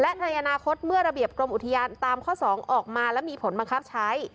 และในอนาคตเมื่อระเบียบกรมอุทยานตามข้อ๒ออกมาและมีผลบังคับใช้